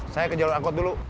saya ke jalur angkot dulu